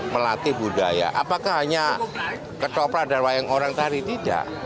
melatih budaya apakah hanya ketoprak dan wayang orang tari tidak